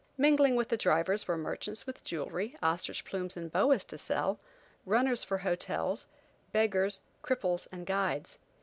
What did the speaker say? Mingling with the drivers were merchants with jewelry, ostrich plumes and boas to sell, runners for hotels, beggars, cripples and guides.